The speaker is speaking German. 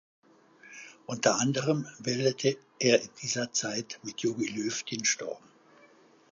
Unter anderem bildete er in dieser Zeit mit Jogi Löw den Sturm.